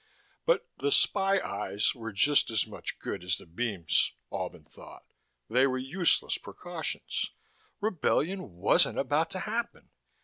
But the spy eyes were just as much good as the beams, Albin thought. They were useless precautions: rebellion wasn't about to happen.